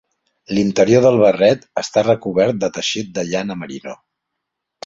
L'interior del barret està recobert de teixit de llana Merino